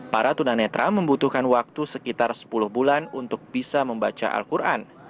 para tunanetra membutuhkan waktu sekitar sepuluh bulan untuk bisa membaca al quran